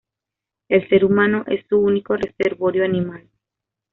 El ser humano es su único reservorio animal.